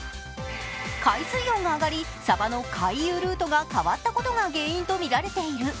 海水温が上がり、さばの回遊ルートが変わったことが原因とみられている。